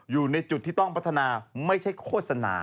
อยู่ในจุดที่ต้องพัฒนาไม่ใช่โฆษณา